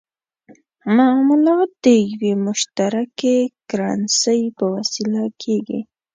معاملات د یوې مشترکې کرنسۍ په وسیله کېږي.